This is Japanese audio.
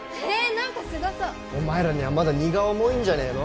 何かすごそうお前らにはまだ荷が重いんじゃねえの？